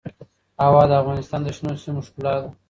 هوا د افغانستان د شنو سیمو ښکلا ده.